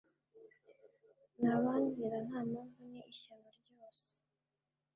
n'abanzira nta mpamvu ni ishyano ryose